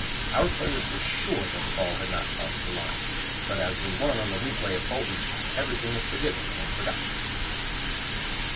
Our players were sure that the ball had not crossed the line, but as we won on the replay at Bolton everything was forgiven and forgotten.